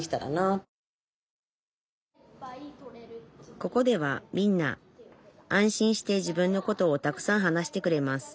ここではみんな安心して自分のことをたくさん話してくれます。